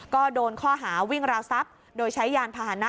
ก็โดนข้อหาวิ่งราวทรัพย์โดยใช้ยานพาหนะ